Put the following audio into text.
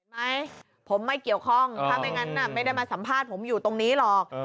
ไหมผมไม่เกี่ยวข้องถ้าไม่งั้นไม่ได้มาสัมภาษณ์ผมอยู่ตรงนี้หรอก